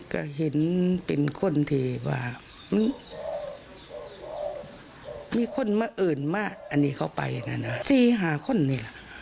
ก็เห็นเป็นคนที่ว่ามีคนมาอื่นมากอันนี้เขาไปนะนะ๔๕คนนี้